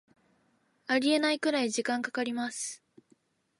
ありえないくらい時間かかります